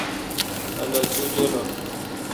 الو تو جولہ۔